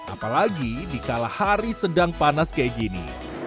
apalagi di kala hari sedang panas kayak gini